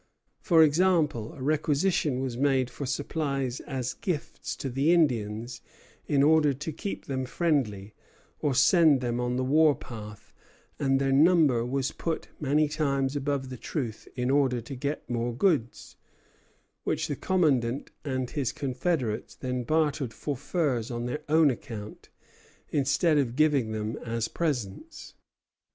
For example, a requisition was made for supplies as gifts to the Indians in order to keep them friendly or send them on the war path; and their number was put many times above the truth in order to get more goods, which the commandant and his confederates then bartered for furs on their own account, instead of giving them as presents.